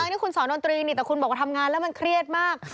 นี่คุณสอนดนตรีนี่แต่คุณบอกว่าทำงานแล้วมันเครียดมาก